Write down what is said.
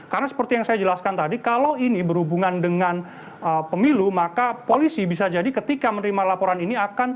karena seperti yang saya jelaskan tadi kalau ini berhubungan dengan pemilu maka polisi bisa jadi ketika menerima laporan ini akan menangkap lanyala